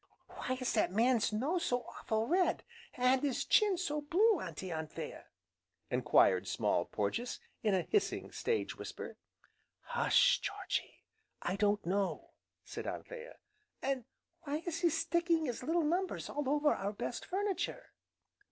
"Why is that man's nose so awful' red, and his chin so blue, Auntie Anthea?" enquired Small Porges, in a hissing stage whisper. "Hush Georgy! I don't know," said Anthea. "An' why is he sticking his little numbers all over our best furniture!"